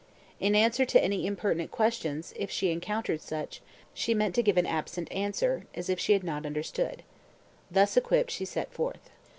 In answer to any impertinent questions, if she encountered such, she meant to give an absent answer, as if she had not understood. Thus equipped she set forth.